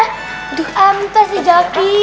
aduh tas si zaky